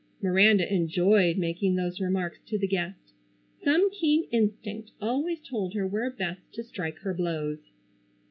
Miranda enjoyed making those remarks to the guest. Some keen instinct always told her where best to strike her blows.